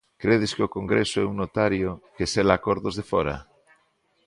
Credes que o Congreso é un notario que sela acordos de fóra?